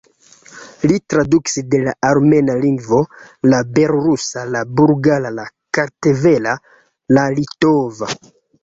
Li tradukis de la armena lingvo, la belorusa, la bulgara, la kartvela, la litova.